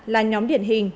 là nhóm điển hình